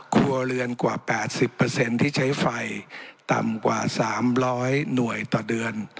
ครัวเรือนกว่าแปดสิบเปอร์เซ็นต์ที่ใช้ไฟต่ำกว่าสามร้อยหน่วยต่อเดือน